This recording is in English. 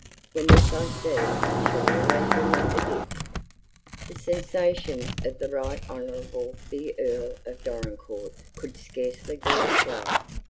When this I see, I shall always remember Dick." The sensations of the Right Honorable the Earl of Dorincourt could scarcely be described.